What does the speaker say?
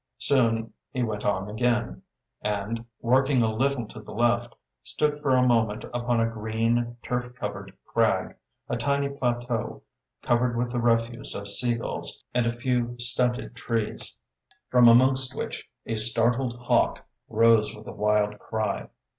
Soon he went on again, and, working a little to the left, stood for a moment upon a green, turf covered crag, a tiny plateau covered with the refuse of seagulls and a few stunted trees, from amongst which a startled hawk rose with a wild cry.